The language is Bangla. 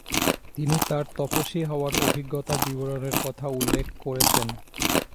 তিনি তাঁর তপস্বী হওয়া অভিজ্ঞতার বিবরণের কথা উল্লেখ করেছেন।